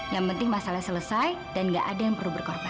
yang penting masalahnya selesai dan gak ada yang perlu berkorban